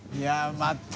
また。